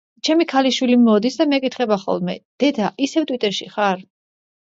ჩემი ქალიშვილი მოდის და მეკითხება ხოლმე, დედა ისევ ტვიტერში ხარ?